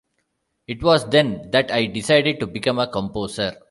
It was then that I decided to become a composer'.